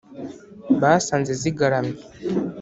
Basanze zigaramye,